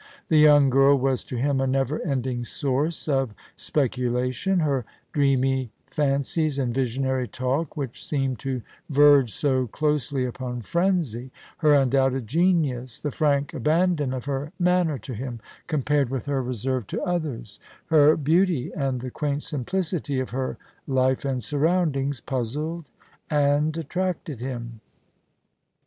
The young girl was to him a never ending source of speculation ; her dreamy fancies and visionary talk, which seemed to verge so closely upon frenzy ; her undoubted genius ; the frank abandon of her manner to him, compared with her reserve to others ; her beauty, and the quaint simplicity of her life and surroundings, puzzled and attracted him.